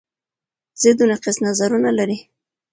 ضد و نقیص نظرونه لري